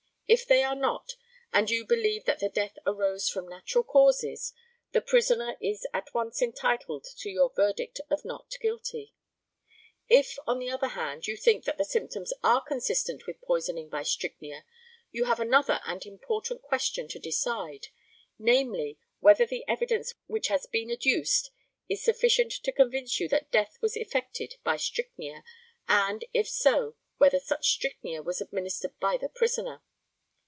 If they are not, and you believe that the death arose from natural causes, the prisoner is at once entitled to your verdict of Not Guilty. If, on the other hand, you think that the symptoms are consistent with poisoning by strychnia, you have another and important question to decide namely, whether the evidence which has been adduced is sufficient to convince you that death was effected by strychnia, and, if so, whether such strychnia was administered by the prisoner.